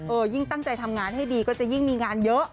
ยิ่งตั้งใจทำงานให้ดีก็จะยิ่งมีงานเยอะ